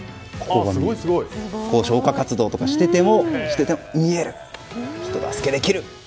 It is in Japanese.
消火活動とかをしていても見える、人助けができる。